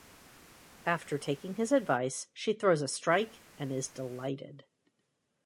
After taking his advice, she throws a strike and is delighted.